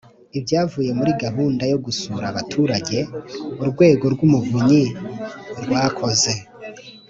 Ibyavuye muri gahunda yo gusura abaturage Urwego rw’Umuvunyi rwakoze